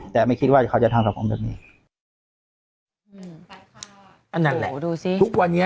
เขาจะทันครับผมแบบนี้อำนั่นแหละดูซิทุกวันนี้